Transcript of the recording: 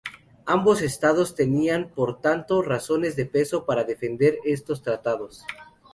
Ambos estados tenían, por tanto, razones de peso para defender estos tratados.